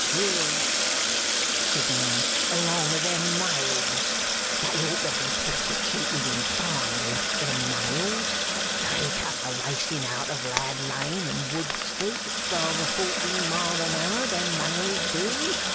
'Yes,' said the man, 'along of them Mails. They ought to be prosecuted and fined, them Mails. They come a racing out of Lad Lane and Wood Street at twelve or fourteen mile a hour, them Mails do.